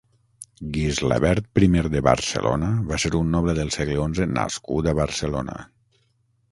Guislabert primer de Barcelona va ser un noble del segle onze nascut a Barcelona.